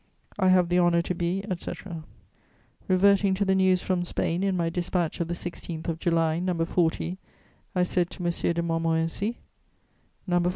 "I have the honour to be, etc." Reverting to the news from Spain in my dispatch of the 16th of July, No. 40, I said to M. de Montmorency: No.